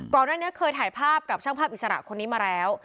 ก่อนหน้านี้เคยถ่ายภาพกับช่างภาพอิสระคนนี้มาแล้ว